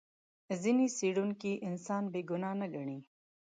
ځینې څېړونکي انسان بې ګناه نه ګڼي.